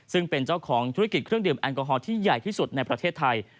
ซึ่งเป็นเจ้าของธุรกิจเครื่องดื่มแอลกอฮอล์ที่ใหญ่ที่สุดในประเทศไทย